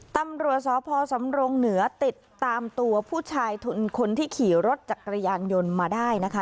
ตำรวจสพสำรงเหนือติดตามตัวผู้ชายคนที่ขี่รถจักรยานยนต์มาได้นะคะ